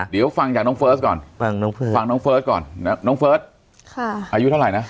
เดี๋ยวฟังจากน้องเฟิร์สก่อนน้องเฟิร์สค่ะอายุเท่าไหร่นะ